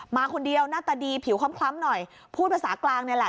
มาคนเดียวหน้าตาดีผิวคล้ำหน่อยพูดภาษากลางนี่แหละ